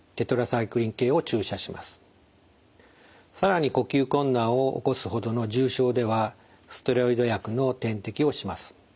更に呼吸困難を起こすほどの重症ではステロイド薬の点滴をします。